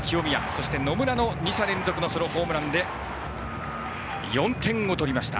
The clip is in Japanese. そして野村の２者連続ソロホームランで４点を取りました。